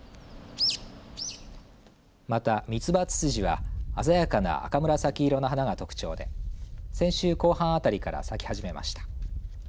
またミツバツツジは鮮やかな赤紫色の花が特徴で先週後半あたりから咲き始めました。